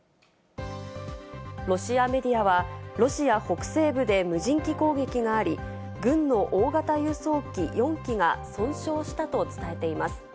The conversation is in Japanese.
ロシアメディアは、ロシア北西部で無人機攻撃があり、軍の大型輸送機４機が損傷したと伝えています。